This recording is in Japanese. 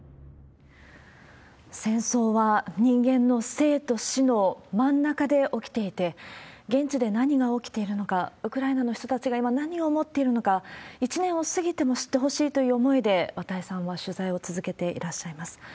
戦争は人間の生と死の真ん中で起きていて、現地で何が起きているのか、ウクライナの人たちが今、何を思っているのか、１年を過ぎても知ってほしいという思いで、綿井さんは取材を続けていらっしゃいます。